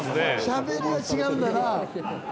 しゃべりは違うんだな。